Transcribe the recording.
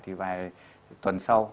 thì vài tuần sau